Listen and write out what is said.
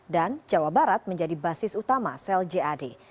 dan jawa barat menjadi basis utama sel jad